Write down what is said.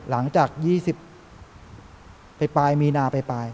หลังจาก๒๐มีนาไป